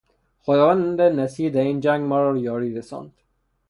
خداوند نصیر در این جنگ ما را یاری رساند.